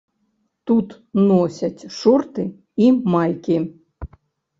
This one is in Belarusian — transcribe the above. Тут носяць шорты і майкі.